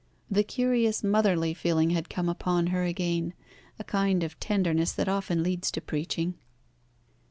The curious motherly feeling had come upon her again, a kind of tenderness that often leads to preaching.